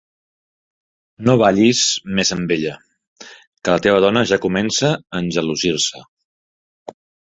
No ballis més amb ella, que la teva dona ja comença a engelosir-se.